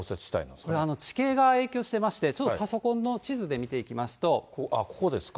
これ、地形が影響してまして、ちょっとパソコンの地図で見ていここですか。